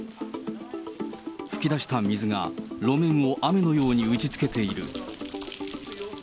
噴き出した水が路面を雨のように打ちつけている。